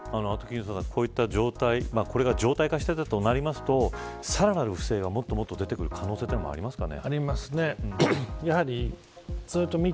アトキンソンさんこれが状態化していたとなっているとさらなる不正がもっと出てくる可能性もありますかね。